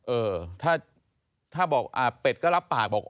เออถ้าบอกเป็ดก็รับปากบอก